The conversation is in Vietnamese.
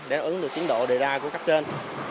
để ứng được tiến độ đề ra của cấp trên